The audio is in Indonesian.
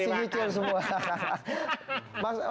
masih nyicil semua